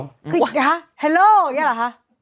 ก็คือฮัลโหลนี่หรอคะ